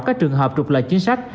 các trường hợp trục lợi chính sách